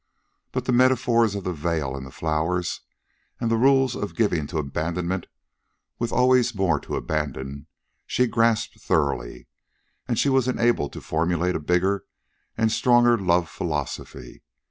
But the metaphors of the veils and the flowers, and the rules of giving to abandonment with always more to abandon, she grasped thoroughly, and she was enabled to formulate a bigger and stronger love philosophy.